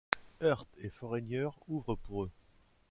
Heart et Foreigner ouvrent pour eux.